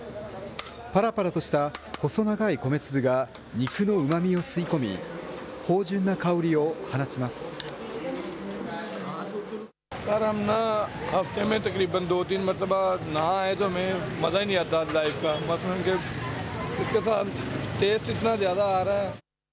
ぱらぱらとした細長い米粒が肉のうまみを吸い込み、芳じゅんな香りを放ちます。